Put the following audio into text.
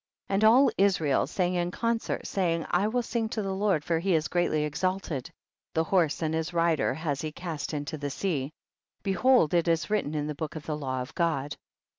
44. And all Israel sang in concert saying, I will sing to the Lord for he is greatly exalted, the horse and his rider has he cast into the sea ; behold it is written in the book of the law of God.